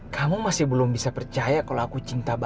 kamu masih belum bisa percaya kalo aku cinta banget sama kamu ya